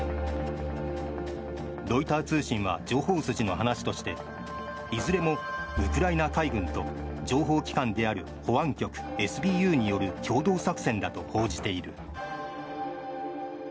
ロイター通信は情報筋の話としていずれもウクライナ海軍と情報機関である保安局、ＳＢＵによる共同作戦だと報じている。